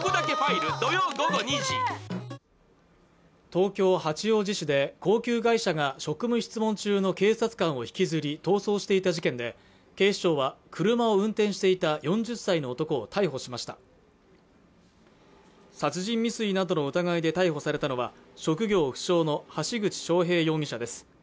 東京・八王子市で高級外車が職務質問中の警察官を引きずり逃走していた事件で警視庁は車を運転していた４０歳の男を逮捕しました殺人未遂などの疑いで逮捕されたのは職業不詳の橋口詳平容疑者です